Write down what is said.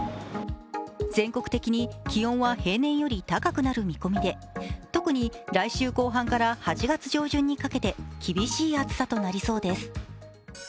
全国的に気温は平年より高くなる見込みで特に来週後半から８月上旬にかけて厳しい暑さとなりそうです。